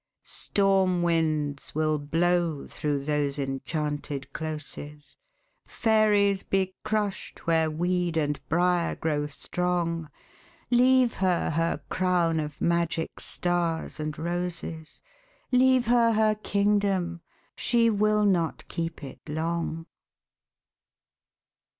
Storm winds will blow through those enchanted closes, Fairies be crushed where weed and briar grow strong ... Leave her her crown of magic stars and roses, Leave her her kingdom—she will not keep it long!